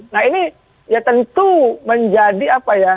nah ini ya tentu menjadi apa ya